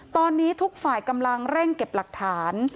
ตอนนี้ทุกฝ่ายกำลังเร่งเก็บหลักฐาน